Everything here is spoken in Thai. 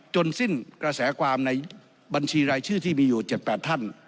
สิ้นกระแสความในบัญชีรายชื่อที่มีอยู่๗๘ท่าน